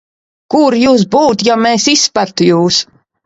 Kur jūs būtu, ja mēs izspertu jūs?